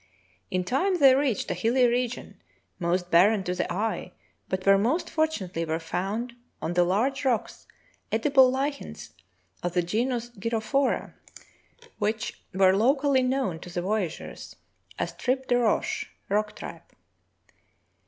In time they reached a hill}^ region, most barren to the eye but where most fortunatel}^ were found on the large rocks edible lichens of the genus gyrophora, v/hich 24 True Tales of Arctic Heroism were locally known to the voyageurs as tripe de roche (rock tripe).